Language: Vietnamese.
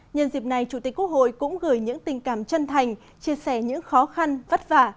nhân dịp này chủ tịch quốc hội cũng gửi những tình cảm chân thành chia sẻ những khó khăn vất vả